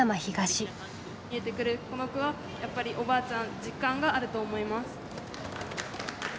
この句はやっぱりおばあちゃん実感があると思います。